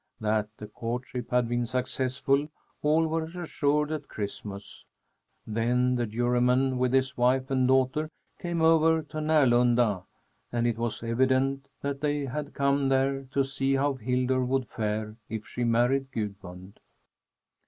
That the courtship had been successful all were assured at Christmas. Then the Juryman, with his wife and daughter, came over to Närlunda, and it was evident that they had come there to see how Hildur would fare if she married Gudmund.